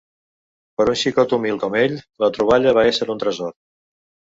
Per un xicot humil com ell, la troballa va ésser un tresor.